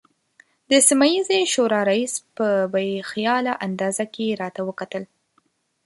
د سیمه ییزې شورا رئیس په بې خیاله انداز کې راته وکتل.